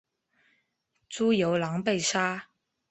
朱由榔被杀。